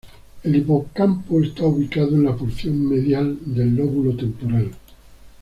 El hipocampo está ubicado en la porción medial del lóbulo temporal.